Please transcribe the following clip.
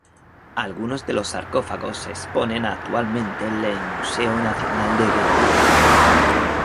Algunos de los sarcófagos se exponen actualmente en el Museo Nacional de Beirut.